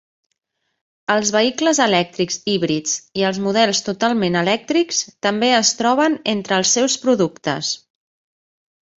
Els vehicles elèctrics híbrids i els models totalment elèctrics també es troben entre els seus productes.